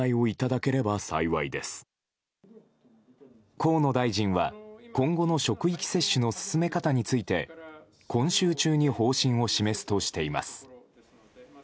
河野大臣は今後の職域接種の進め方について今週中に方針を示すとしています。